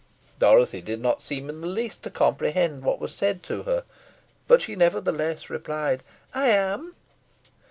Dorothy did not seem in the least to comprehend what was said to her; but she nevertheless replied, "I am."